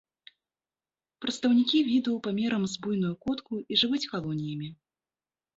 Прадстаўнікі віду памерам з буйную котку і жывуць калоніямі.